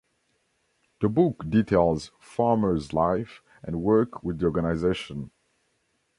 The book details Farmer's life and work with the organization.